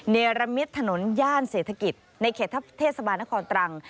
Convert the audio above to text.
เนรมิตถนนย่านเศรษฐกิจในเขตเทศบาลนครตรัง